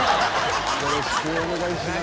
よろしくお願いします